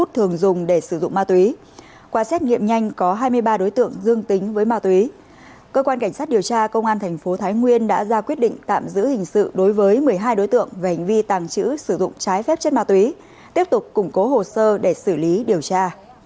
đội cảnh sát điều tra tội phạm về ma túy công an thành phố thái nguyên đã ra quyết định tạm giữ hình sự đối với một mươi hai đối tượng về hành vi tàng trữ sử dụng trái phép chất ma túy tiếp tục củng cố hồ sơ để xử lý điều tra